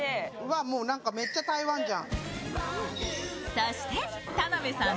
そして田辺さん